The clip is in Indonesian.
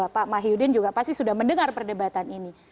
pak mahyudin juga pasti sudah mendengar perdebatan ini